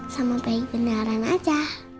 sama bayi beneran aja